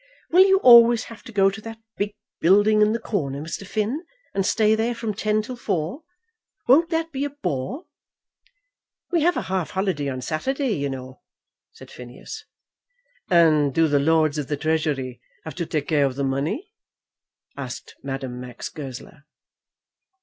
Will you always have to go to that big building in the corner, Mr. Finn, and stay there from ten till four? Won't that be a bore?" "We have a half holiday on Saturday, you know," said Phineas. "And do the Lords of the Treasury have to take care of the money?" asked Madame Max Goesler.